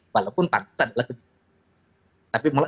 walaupun pansus adalah kebijakan